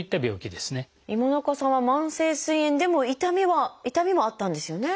今中さんは慢性すい炎でも痛みもあったんですよね。